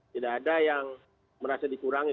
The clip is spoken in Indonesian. tidak ada yang merasa dikurangi